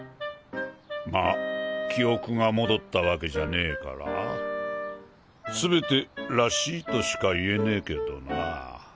ま記憶が戻ったわけじゃねぇから全て「らしい」としか言えねぇけどな。